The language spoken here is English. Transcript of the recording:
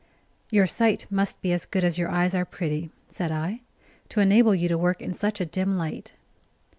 "Your sight must be as good as your eyes are pretty," said I, "to enable you to work in such a dim light."